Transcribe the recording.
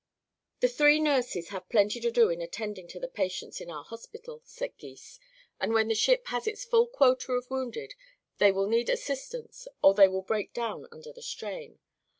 "The three nurses have plenty to do in attending to the patients in our hospital," said Gys, "and when the ship has its full quota of wounded they will need assistance or they will break down under the strain.